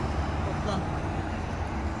Toplan.